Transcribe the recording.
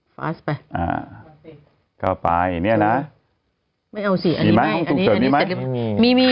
ฟาสไปอ่าก็ไปเนี่ยนะไม่เอาเสียงมีไหมห้องฉุกเฉินมีไหมมีมี